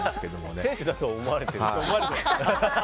選手だと思われてる。